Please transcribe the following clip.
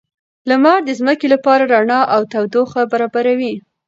لمر د ځمکې لپاره رڼا او تودوخه برابروي